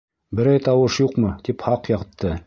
Берәй тауыш юҡмы, тип һаҡ ятты.